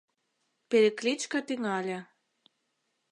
Перекличка тӱҥале.